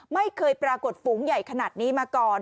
ไม่เคยปรากฏฝูงใหญ่ขนาดนี้มาก่อน